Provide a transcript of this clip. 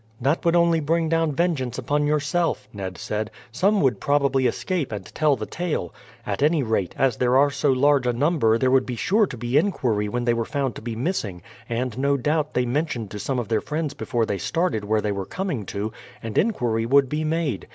"That would only bring down vengeance upon yourself," Ned said. "Some would probably escape and tell the tale. At any rate, as there are so large a number there would be sure to be inquiry when they were found to be missing, and no doubt they mentioned to some of their friends before they started where they were coming to, and inquiry would be made.